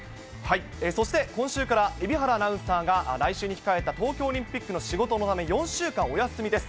そして今週から、蛯原アナウンサーが来週に控えた東京オリンピックの仕事のため、４週間、お休みです。